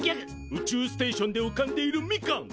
宇宙ステーションでうかんでいるみかん。